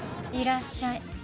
いらっしゃい。